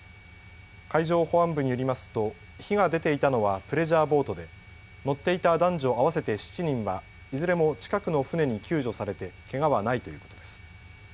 海上保安部によりますと火が出ていたのはプレジャーボートで乗っていた男女合わせて７人はいずれも近くの船に救助されてけがはないということです。